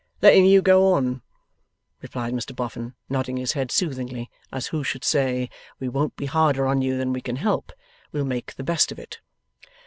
'Letting you go on,' replied Mr Boffin, nodding his head soothingly, as who should say, We won't be harder on you than we can help; we'll make the best of it.